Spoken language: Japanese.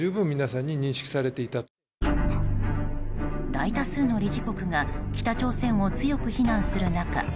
大多数の理事国が北朝鮮を強く非難する中